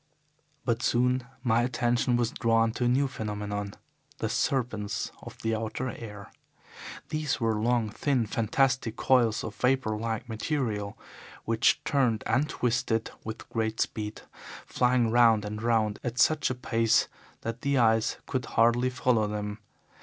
"But soon my attention was drawn to a new phenomenon the serpents of the outer air. These were long, thin, fantastic coils of vapour like material, which turned and twisted with great speed, flying round and round at such a pace that the eyes could hardly follow them.